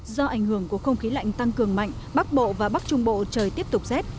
do ảnh hưởng của không khí lạnh tăng cường mạnh bắc bộ và bắc trung bộ trời tiếp tục rét